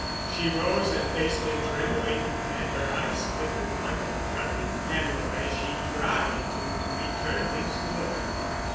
She rose and faced him, trembling, and her eyes flickered like a guttering candle, as she tried to return his look.